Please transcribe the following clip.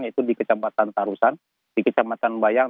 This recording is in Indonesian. yaitu di kecamatan tarusan di kecamatan bayang